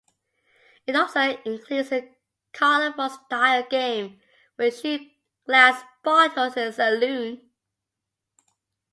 It also includes a carnival-style game where you shoot glass bottles in a saloon.